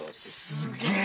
すげえ